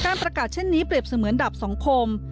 ประกาศเช่นนี้เปรียบเสมือนดับสังคม